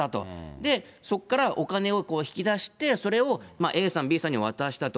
で、そこからお金を引き出して、それをＡさん、Ｂさんに渡したと。